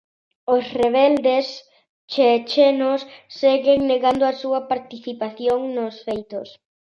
Os rebeldes chechenos seguen negando a súa participación nos feitos.